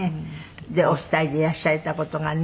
でお二人でいらっしゃれた事がね。